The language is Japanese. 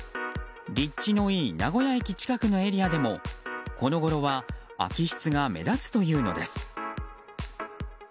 立地のいい名古屋駅近くのエリアでもこのごろは空き室が目立つというのです。